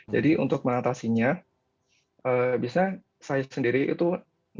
jadi untuk melatasinya biasanya saya sendiri itu naruh makanan di sini